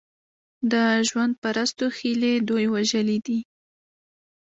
د ژوند پرستو هیلې دوی وژلي دي.